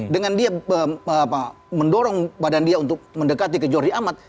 dengan dia mendorong badan dia untuk mendekati ke jordi amat